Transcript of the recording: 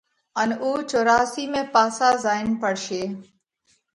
ان اُو چوراسي ۾ پاسا زائينَ پڙشي۔